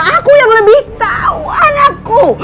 aku yang lebih tahu anakku